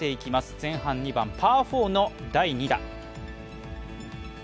前半２番、パー４の第２打。